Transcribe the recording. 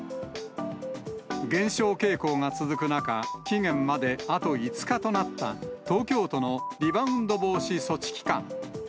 減少傾向が続く中、期限まであと５日となった、東京都のリバウンド防止措置期間。